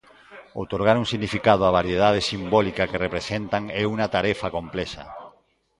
Outorgar un significado á variedade simbólica que representan é unha tarefa complexa.